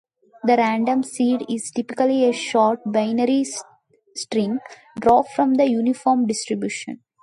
The random seed is typically a short binary string drawn from the uniform distribution.